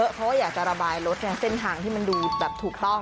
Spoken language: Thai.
เขาก็อยากจะระบายรถในเส้นทางที่มันดูถูกต้อง